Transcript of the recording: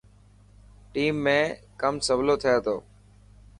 ٽيم ۾ ڪم سولو ٿي تو.